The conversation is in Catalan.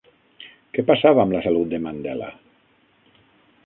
Què passava amb la salut de Mandela?